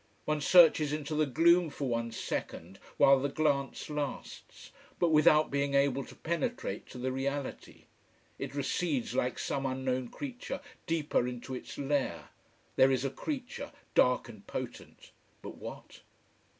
One searches into the gloom for one second, while the glance lasts. But without being able to penetrate to the reality. It recedes, like some unknown creature deeper into its lair. There is a creature, dark and potent. But what?